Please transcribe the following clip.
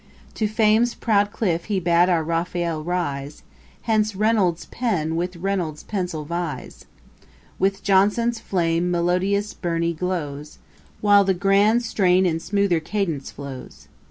To Fame's proud cliff he bade our Raphael rise; Hence REYNOLDS' pen with REYNOLDS' pencil vies. With Johnson's flame melodious BURNEY glows, While the grand strain in smoother cadence flows.